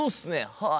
はい！